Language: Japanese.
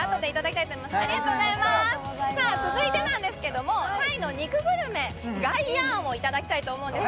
続いてなんですけれども、タイの肉グルメ、ガイヤーンをいただきたいと思います。